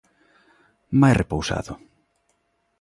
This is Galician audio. Máis repousado.